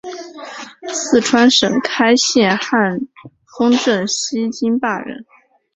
四川省开县汉丰镇西津坝人。